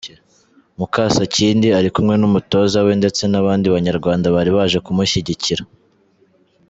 Mukasakindi ari kumwe n’umutoza we ndetse n’abandi banyarwanda bari baje kumushyigikira.